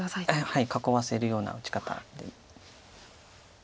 はい囲わせるような打ち方で。